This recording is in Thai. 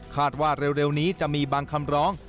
ว่าเร็วนี้จะมีบางคำร้อง